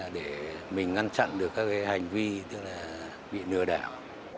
để mình ngăn chặn được các hành vi bị lừa đảo